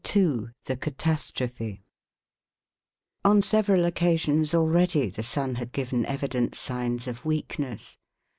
II THE CATASTROPHE On several occasions already the sun had given evident signs of weakness.